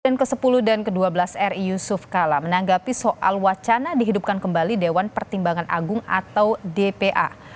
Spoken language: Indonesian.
presiden ke sepuluh dan ke dua belas ri yusuf kala menanggapi soal wacana dihidupkan kembali dewan pertimbangan agung atau dpa